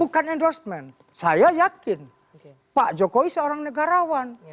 bukan endorsement saya yakin pak jokowi seorang negarawan